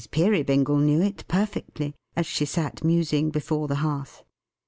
Peerybingle knew it, perfectly, as she sat musing, before the hearth.